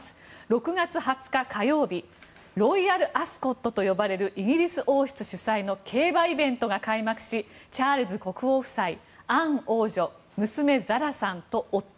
６月２０日火曜日ロイヤルアスコットと呼ばれるイギリス王室主催の競馬イベントが開幕しチャールズ国王夫妻アン王女、娘ザラさんと夫。